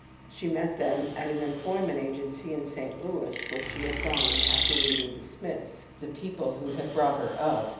She met them at an employment agency in St. Louis where she had gone after leaving the Smiths, the people who had brought her up.